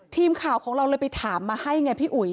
ทีมข่าวของเราเลยไปถามมาให้ไงพี่อุ๋ย